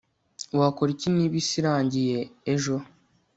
wakora iki niba isi irangiye ejo